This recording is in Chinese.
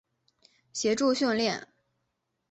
协助训练。